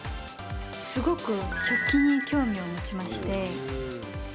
すごく食器に興味を持ちまして。